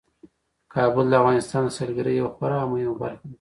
کابل د افغانستان د سیلګرۍ یوه خورا مهمه برخه ده.